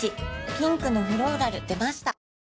ピンクのフローラル出ました